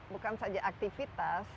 bukan saja aktivitas